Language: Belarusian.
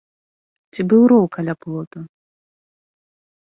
Ці быў роў каля плоту?